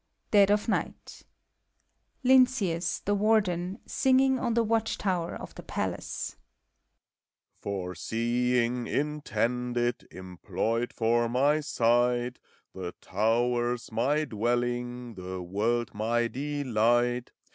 DEAD OF NIGHT. LTNCEUS, THE WARDER (singing on the watch tower of the Palace). FOR seeing intended, Employed for my sight. The tower's my dwelling, The world my delight.